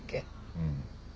うん。